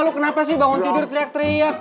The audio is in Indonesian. lalu kenapa sih bangun tidur teriak teriak